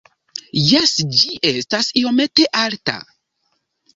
Jes ĝi estas iomete alta